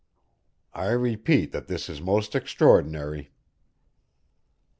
"I repeat that this is most extraordinary."